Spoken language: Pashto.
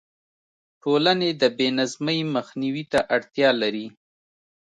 ټولنې د بې نظمۍ مخنیوي ته اړتیا لري.